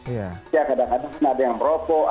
ya kadang kadang ada yang merokok